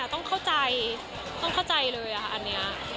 ต้องเข้าใจต้องเข้าใจเลยค่ะอันนี้